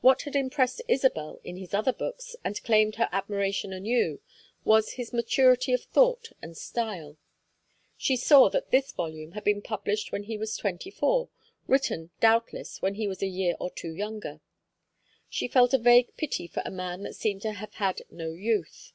What had impressed Isabel in his other books and claimed her admiration anew was his maturity of thought and style; she saw that this volume had been published when he was twenty four, written, doubtless, when he was a year or two younger. She felt a vague pity for a man that seemed to have had no youth.